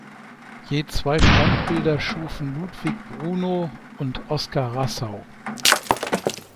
Je zwei Standbilder schufen Ludwig Brunow und Oskar Rassau.